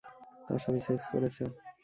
তার সাথে সেক্স করেছ?